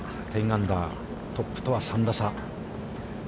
１０アンダー、トップとは３打差。